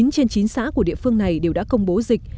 chín trên chín xã của địa phương này đều đã công bố dịch